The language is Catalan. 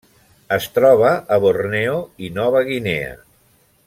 Es troba a Borneo i Nova Guinea.